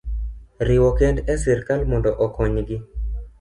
riwo kend e sirkal mondo okonygi.